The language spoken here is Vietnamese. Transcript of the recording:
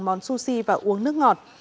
món sushi và uống nước ngọt